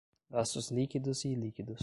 Gastos líquidos e ilíquidos